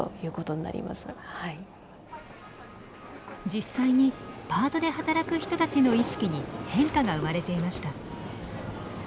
実際にパートで働く人たちの意識に変化が生まれていました。